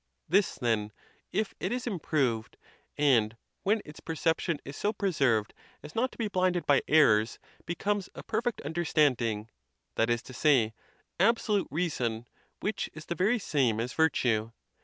This, then, if it is improved, and when its per 'ception is so preserved as not to be blinded by errors, be comés a perfect understanding, that is to say, absolute rea son, which is the very same as virtue.